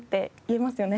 言えます。